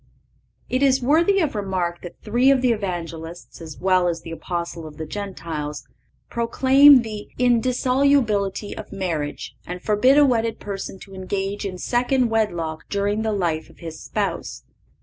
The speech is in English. It is worthy of remark that three of the Evangelists, as well as the Apostle of the Gentiles, proclaim the indissolubility of marriage and forbid a wedded person to engage in second wedlock during the life of his spouse.